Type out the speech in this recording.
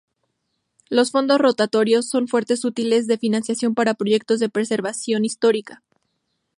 Los fondos rotatorios son fuentes útiles de financiación para proyectos de preservación histórica.